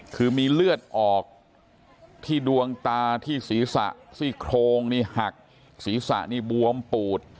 คือมีเลือดออกที่ดวงตาที่ศีรษะซี่โครงนี่หักศีรษะนี่บวมปูด